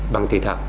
bằng thị thật